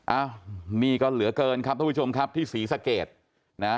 อ้าวนี่ก็เหลือเกินครับทุกผู้ชมครับที่ศรีสะเกดนะ